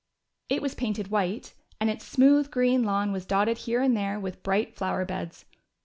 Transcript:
It was painted white, and its smooth green lawn was dotted here and there with bright flower beds.